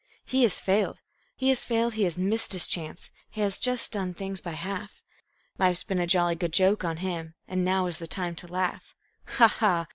He has failed, he has failed; he has missed his chance; He has just done things by half. Life's been a jolly good joke on him, And now is the time to laugh. Ha, ha!